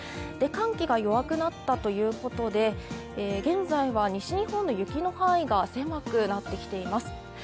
寒気が弱くなったということで、現在は西日本の雪の範囲が狭くなってきています。